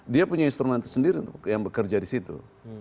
dia punya instrumen tersendiri untuk yang bekerja di situ